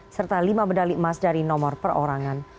serta lima medali emas dari nomor perorangan